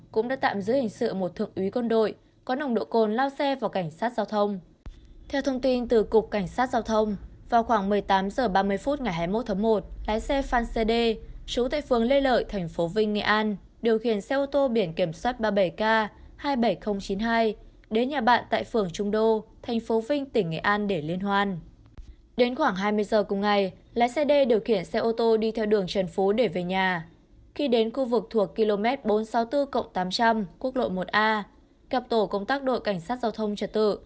khi đến khu vực thuộc km bốn trăm sáu mươi bốn tám trăm linh quốc lộ một a gặp tổ công tác đội cảnh sát giao thông trật tự